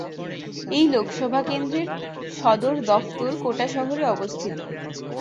এই লোকসভা কেন্দ্রর সদর দফতর কোটা শহরে অবস্থিত।